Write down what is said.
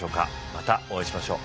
またお会いしましょう。